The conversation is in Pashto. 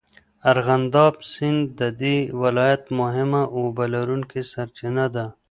ارغنداب سیند د دې ولایت مهمه اوبهلرونکې سرچینه ده.